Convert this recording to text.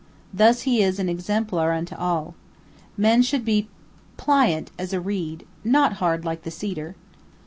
Thus he is an exemplar unto all. "Man should be pliant as a reed, not hard like the cedar."